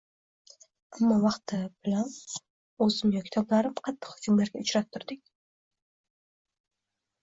Ammo vaqt-vaqti bilan o‘zim yo kitoblarim qattiq hujumlarga uchrab turdik